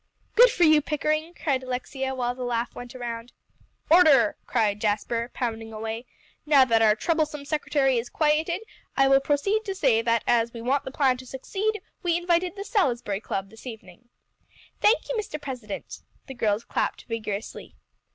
"Good for you, Pickering," cried Alexia, while the laugh went around. "Order!" cried Jasper, pounding away. "Now that our troublesome secretary is quieted, I will proceed to say that as we want the plan to succeed, we invited the Salisbury Club this evening." "Thank you, Mr. President," the girls clapped vigorously.